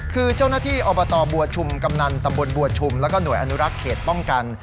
คือเจ้าหน้าที่อบตบัวชุมกำนันตำบลบัวชุมแล้วก็หน่วยอนุรักษ์เขตป้องกัน